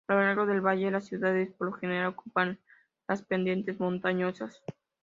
A lo largo del valle, las ciudades por lo general ocupaban las pendientes montañosas.